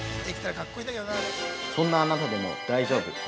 ◆そんなあなたでも大丈夫。